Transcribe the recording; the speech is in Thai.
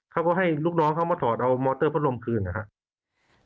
เขาก็ให้ลูกน้องเขามาถอดเอามอเตอร์พัดลมคืนนะครับ